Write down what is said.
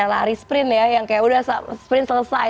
lari sprint ya yang kayak udah sprint selesai